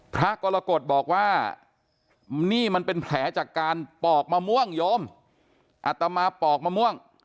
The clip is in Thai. พระกรกฎบอกว่านี่มันเป็นแผลจากการปอกมะม่วงโยมอัตมาปอกมะม่วง